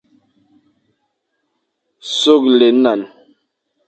Soghle nlañ,